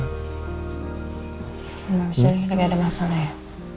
emang misalnya ini gak ada masalah ya